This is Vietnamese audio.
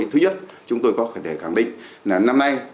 thứ nhất chúng tôi có thể khẳng định là năm nay